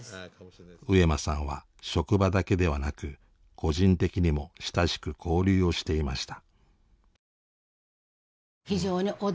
上間さんは職場だけではなく個人的にも親しく交流をしていました。